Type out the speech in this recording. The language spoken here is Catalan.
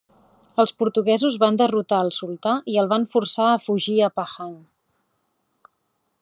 Els portuguesos van derrotar al sultà i el van forçar a fugir a Pahang.